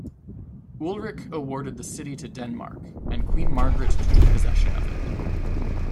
Ulrich awarded the city to Denmark, and Queen Margaret took possession of it.